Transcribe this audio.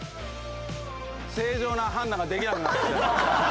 正常な判断ができなくなってきた。